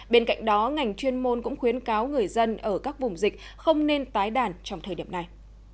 bên cạnh đó ngành chuyên môn cũng khuyến cáo người dân ở các vùng dịch không nên tái đàn trong thời điểm này